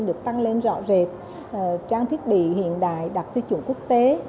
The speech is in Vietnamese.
được tăng lên rõ rệt trang thiết bị hiện đại đạt tiêu chuẩn quốc tế